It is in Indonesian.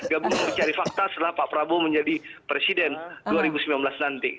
gabungan pencari fakta setelah pak prabowo menjadi presiden dua ribu sembilan belas nanti